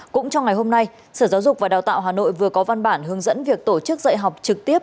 cũng trong ngày hôm nay sở giáo dục và đào tạo hà nội vừa có văn bản hướng dẫn việc tổ chức dạy học trực tiếp